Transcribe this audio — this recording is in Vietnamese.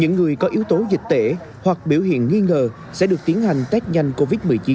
những người có yếu tố dịch tễ hoặc biểu hiện nghi ngờ sẽ được tiến hành test nhanh covid một mươi chín